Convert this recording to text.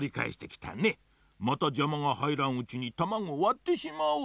またじゃまがはいらんうちにたまごをわってしまおう。